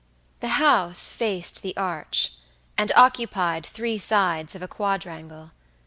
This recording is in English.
The house faced the arch, and occupied three sides of a quadrangle.